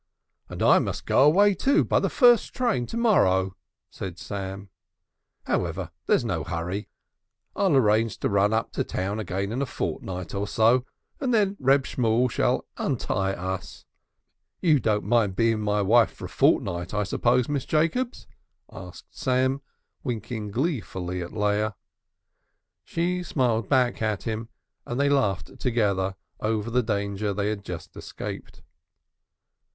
"And I must go away, too, by the first train to morrow," said Sam. "However, there's no hurry. I'll arrange to run up to town again in a fortnight or so, and then Reb Shemuel shall see that we are properly untied. You don't mind being my wife for a fortnight, I hope, Miss Jacobs?" asked Sam, winking gleefully at Leah. She smiled back at him and they laughed together over the danger they had just escaped.